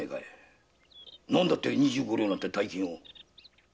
何だって二十五両なんて大金を？